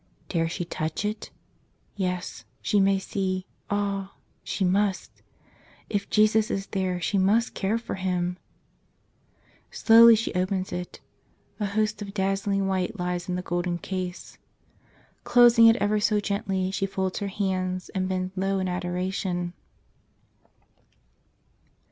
Dare she touch it? Yes; she may see — ah! she must. If Jesus is there she must care for Him! Slowly she opens it. A host of 102 A Modern Tarsi cius dazzling white lies in the golden case. Closing it ever so gently, she folds her hands and bends low in adoration.